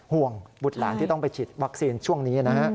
บุตรหลานที่ต้องไปฉีดวัคซีนช่วงนี้นะฮะ